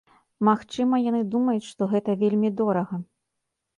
Магчыма, яны думаюць, што гэта вельмі дорага.